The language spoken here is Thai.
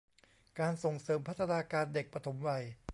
การส่งเสริมพัฒนาการเด็กปฐมวัย